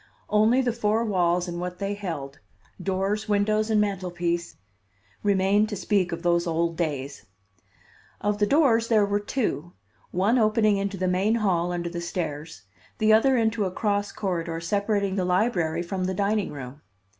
Only the four walls and what they held, doors, windows and mantel piece, remained to speak of those old days. Of the doors there were two, one opening into the main hall under the stairs, the other into a cross corridor separating the library from the dining room.